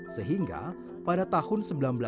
sehingga pada tahun seribu sembilan ratus tujuh puluh tiga